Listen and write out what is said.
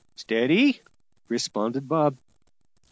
"Steady!" responded Bob.